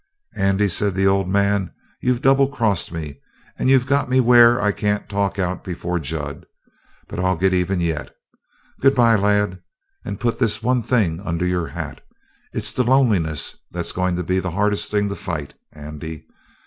"Andy," said the old man, "you've double crossed me, and you've got me where I can't talk out before Jud. But I'll get even yet. Good by, lad, and put this one thing under your hat: It's the loneliness that's goin' to be the hardest thing to fight, Andy.